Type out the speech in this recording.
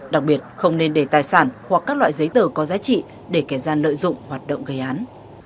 đặc biệt không nên để tài sản hoặc các loại giấy tờ có giá trị để kẻ gian lợi dụng hoạt động gây án